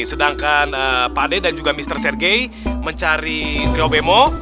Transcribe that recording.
sedangkan pade dan juga mister sergei mencari trio bemo